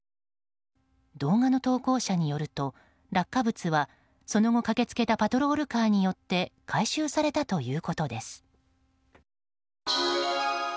動画の投稿者によると落下物は、その後駆けつけたパトロールカーによって回収されたということです。